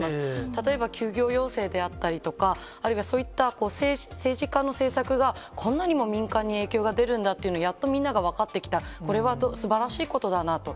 例えば、休業要請であったりとか、あるいはそういった政治家の政策がこんなにも民間に影響が出るんだということをやっとみんなが分かってきた、これはすばらしいことだなと。